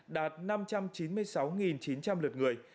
đạt năm trăm chín mươi sáu chín trăm linh lượt người